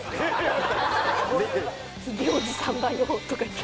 「髭おじさんだよ」とか言って。